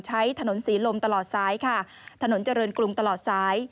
ใช้ถนนศรีลมตลอดซ้ายค่ะถนนเจริญกรุงตลอดซ้าย